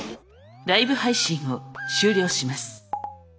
ライブ配信を終了します。